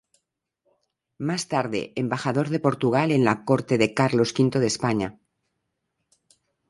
Más tarde, embajador de Portugal en la corte de Carlos V de España.